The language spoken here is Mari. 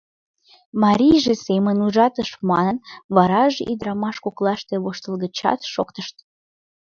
Марийже семын ужатыш манын, вараже ӱдырамаш коклаште воштылгычат шоктышт.